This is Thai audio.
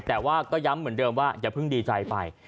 แต่ว่าก็ย้ำเหมือนเดิมว่าอย่าเพิ่งดีใจไป